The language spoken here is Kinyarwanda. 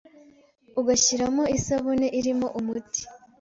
ugashyiramo isabune irimo umuti,